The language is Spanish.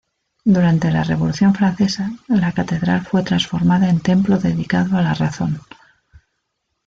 Durante la Revolución francesa, la Catedral fue transformada en templo dedicado a la Razón.